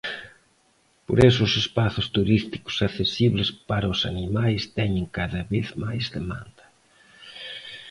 Por iso os espazos turísticos accesibles para os animais teñen cada vez máis demanda.